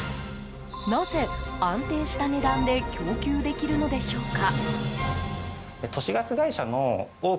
なぜ、安定した値段で供給できるのでしょうか。